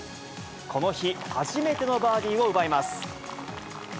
この日、初めてのバーディーを奪います。